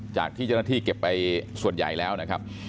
จากที่เจ้าหน้าที่เก็บไปส่วนใหญ่แล้วนะครับ